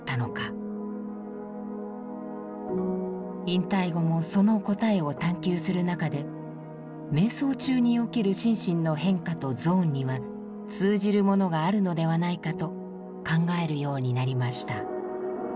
引退後もその答えを探求する中で瞑想中に起きる心身の変化とゾーンには通じるものがあるのではないかと考えるようになりました。